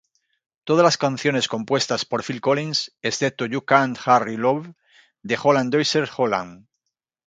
Todas las canciones compuestas por Phil Collins, excepto "You Can't Hurry Love" de Holland-Dozier-Holland